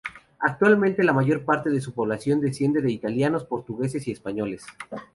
Actualmente la mayor parte de su población desciende de italianos, portugueses y españoles.